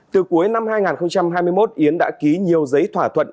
từ cuối năm hai nghìn hai mươi một yến đã ký nhiều giấy thỏa thuận